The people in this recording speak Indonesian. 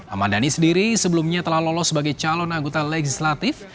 ahmad dhani sendiri sebelumnya telah lolos sebagai calon anggota legislatif